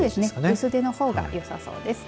薄手の方がよさそうです。